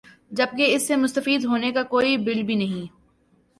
جبکہ اس سے مستفید ہونے کا کوئی بل بھی نہیں